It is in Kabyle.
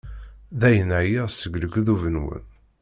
Dayen, εyiɣ seg lekdub-nwen.